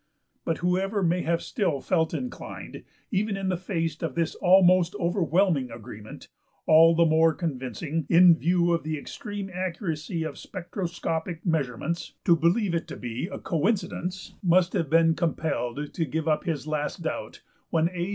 But whoever may have still felt inclined, even in the face of this almost overwhelming agreement all the more convincing, in view of the extreme accuracy of spectroscopic measurements to believe it to be a coincidence, must have been compelled to give up his last doubt when A.